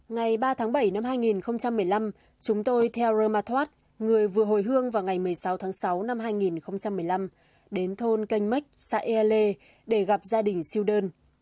ngày ba tháng bảy năm hai nghìn một mươi năm chúng tôi theo rơ ma thoát người vừa hồi hương vào ngày một mươi sáu tháng sáu năm hai nghìn một mươi năm đến thôn canh mách xã ea lê để gặp gia đình siêu đơn